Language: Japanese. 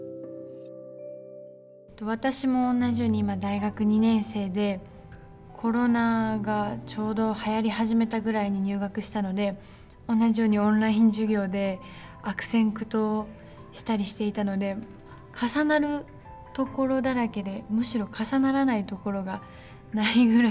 私もおんなじように今大学２年生でコロナがちょうどはやり始めたぐらいに入学したので同じようにオンライン授業で悪戦苦闘したりしていたので重なるところだらけでむしろ重ならないところがないぐらいでした。